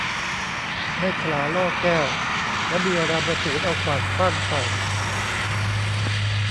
เมขลาล่อแก้ว แล้วมีรามสูรเอาขวานขว้างใส่